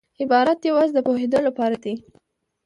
عبارت یوازي د پوهېدو له پاره دئ.